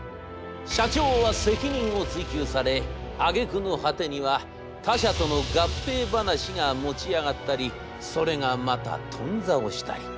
社長は責任を追及されあげくの果てには他者との合併話が持ち上がったりそれがまた頓挫をしたり。